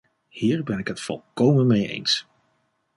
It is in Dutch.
Hier ben ik het volkomen mee eens.